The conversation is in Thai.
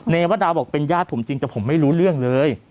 วดาบอกเป็นญาติผมจริงแต่ผมไม่รู้เรื่องเลย